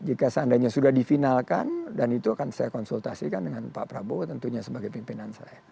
jika seandainya sudah difinalkan dan itu akan saya konsultasikan dengan pak prabowo tentunya sebagai pimpinan saya